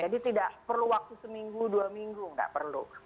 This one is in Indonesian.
jadi tidak perlu waktu seminggu dua minggu tidak perlu